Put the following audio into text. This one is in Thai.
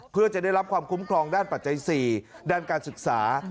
เพื่อจะได้รับความคุ้มครองด้านปัจจัย๔ด้านการศึกษา